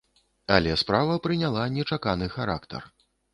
Але справа прыняла нечаканы характар.